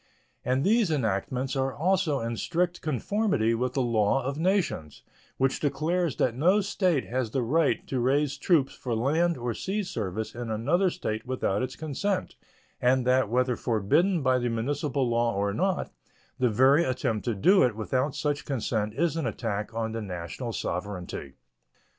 And these enactments are also in strict conformity with the law of nations, which declares that no state has the right to raise troops for land or sea service in another state without its consent, and that, whether forbidden by the municipal law or not, the very attempt to do it without such consent is an attack on the national sovereignty.